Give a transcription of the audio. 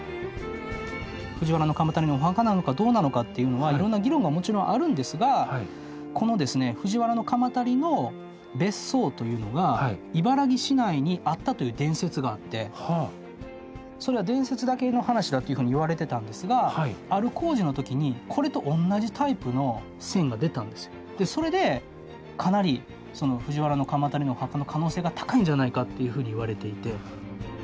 藤原鎌足のお墓なのかどうなのかっていうのはいろんな議論がもちろんあるんですがこのですねという伝説があってそれは伝説だけの話だというふうにいわれてたんですがある工事の時にそれでかなり藤原鎌足のお墓の可能性が高いんじゃないかっていうふうにいわれていて。